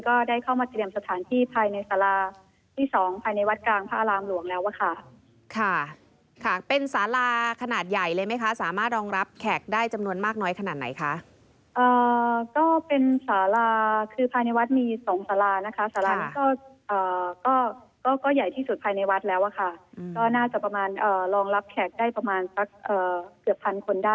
ก็ใหญ่ที่สุดภายในวัดแล้วค่ะก็น่าจะประมาณลองรับแขกได้ประมาณสักเกือบพันคนได้ค่ะ